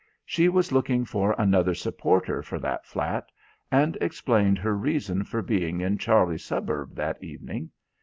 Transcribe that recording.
She was looking for another supporter for that flat, and explained her reason for being in Charlie's suburb that evening.